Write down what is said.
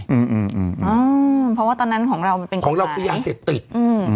อืมอืมอืมอืมเพราะว่าตอนนั้นของเราของเราก็ยังเสพติดอืม